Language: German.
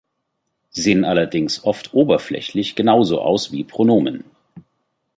Sie sehen allerdings oft oberflächlich genauso aus wie Pronomen.